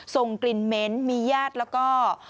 ทรงกลิ่นเม้นมีแย่ดแล้วก็